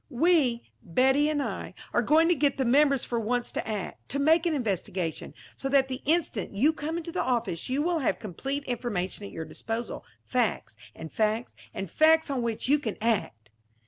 "We Betty and I are going to get the members for once to act to make an investigation; so that the instant you come into the office you will have complete information at your disposal facts, and facts and facts on which you can act."